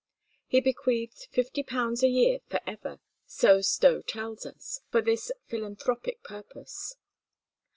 He bequeathed fifty pounds a year for ever, so Stowe tells us, for this philanthropic purpose.